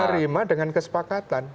menerima dengan kesepakatan